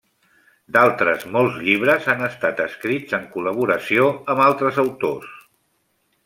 D'altres molts llibres han estat escrits en col·laboració amb altres autors.